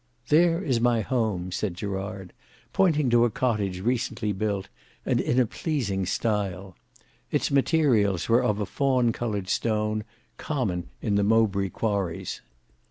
"There is my home," said Gerard, pointing to a cottage recently built, and in a pleasing style. Its materials were of a fawn coloured stone, common in the Mowbray quarries.